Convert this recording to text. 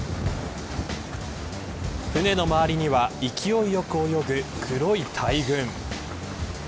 船の周りには勢いよく泳ぐ黒い大群。